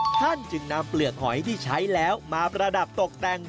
ท่านจึงนำเปลือกหอยที่ใช้แล้วมาประดับตกแต่ง